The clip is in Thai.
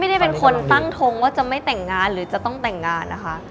ไม่ได้เป็นคนตั้งทงว่าจะไม่แต่งงานหรือจะต้องแต่งงานนะคะ